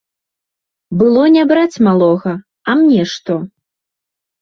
Было не браць малога, а мне што?